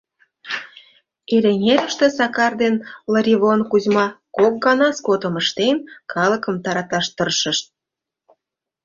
Эреҥерыште Сакар ден Лыривон Кузьма, кок гана скотым ыштен, калыкым тараташ тыршышт.